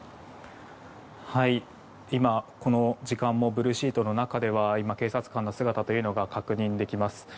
今、この時間もブルーシートの中では警察官の姿が確認できます。